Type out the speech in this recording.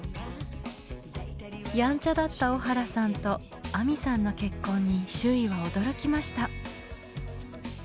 やんちゃだった小原さんと亜美さんの結婚に周囲は驚きました。